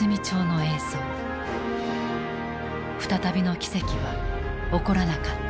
再びの奇跡は起こらなかった。